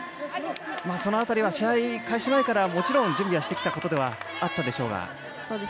その辺りは試合開始前からもちろん準備はしてきたことではあったでしょうが。